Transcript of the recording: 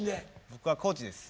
僕は高知です。